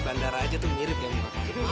bandara aja tuh mirip dengan muka kamu